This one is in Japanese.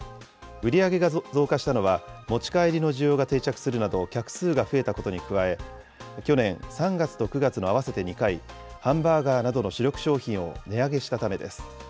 売り上げが増加したのは、持ち帰りの需要が定着するなど客数が増えたことに加え、去年３月と９月の合わせて２回、ハンバーガーなどの主力商品を値上げしたためです。